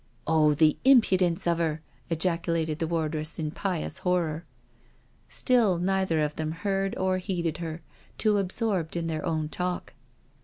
*^" Oh, the impudence of her/' ejaculated the wardress in pious horror. Still neither of them heard or heeded her, too ab sorbed in their own talk.